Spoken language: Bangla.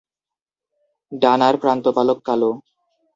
ডানার প্রান্ত-পালক কালো।